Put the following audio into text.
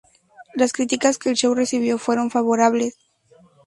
Las críticas que el show recibió fueron favorables.